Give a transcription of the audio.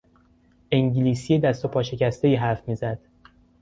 انگلیسی دست و پا شکستهای حرف میزد.